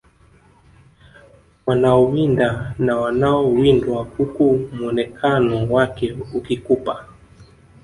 Wanaowinda na wanaowindwa huku muonekano wake ukikupa